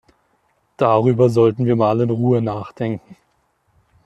Darüber sollten wir mal in Ruhe nachdenken.